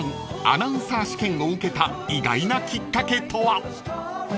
アナウンサー試験を受けた意外なきっかけとは？］